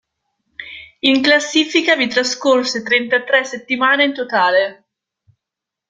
In classifica vi trascorse trentatré settimane in totale.